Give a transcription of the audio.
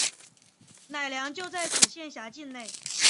乃良就在此县辖境内。